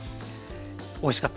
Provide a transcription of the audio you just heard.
おいしかったです。